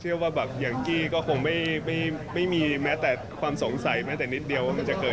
เชื่อว่าแบบอย่างกี้ก็คงไม่มีแม้แต่ความสงสัย